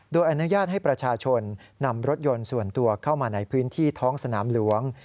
โดยอนุญาตให้ประชาชนนำรถยนต์ส่วนตัวเข้ามาในพื้นที่ท้องสนามหลวง